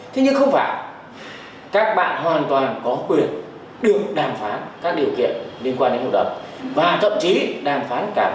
thế nhưng không phải các bạn hoàn toàn có quyền được đàm phán